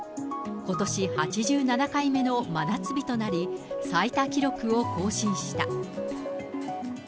ことし８７回目の真夏日となり、最多記録を更新した。